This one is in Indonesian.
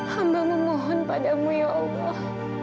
hamba memohon padamu ya allah